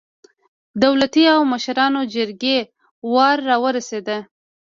د دولتي او مشرانو جرګې وار راورسېد.